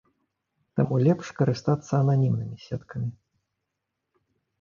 Таму лепш карыстацца ананімнымі сеткамі.